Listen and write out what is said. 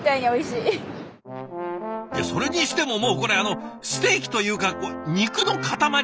それにしてももうこれあのステーキというか肉の塊。